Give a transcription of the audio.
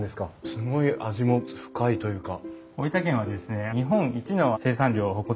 すごい味も深いというか。